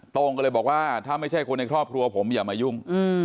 โต้งก็เลยบอกว่าถ้าไม่ใช่คนในครอบครัวผมอย่ามายุ่ง